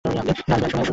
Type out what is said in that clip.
কিন্তু আসব অবশ্যই।